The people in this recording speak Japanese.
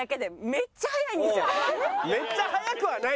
めっちゃ速くはないんだよ